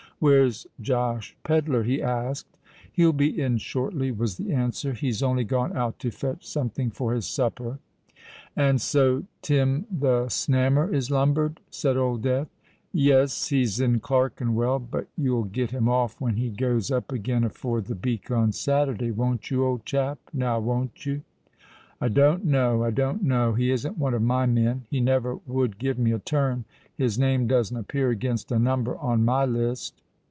"Where's Josh Pedler?" he asked. "He'll be in shortly," was the answer. "He's only gone out to fetch something for his supper." "And so Tim the Snammer is lumbered?" said Old Death. "Yes: he's in Clerkenwell. But you'll get him off when he goes up again 'afore the beak on Saturday—won't you, old chap?—now, won't you?" "I don't know—I don't know. He isn't one of my men: he never would give me a turn. His name doesn't appear against a number on my list."